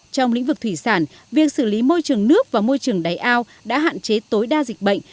trong lĩnh vực thủy sản việc xử lý môi trường nước và môi trường đáy ao đã hạn chế tối đa dịch bệnh